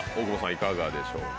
いかがでしょうか？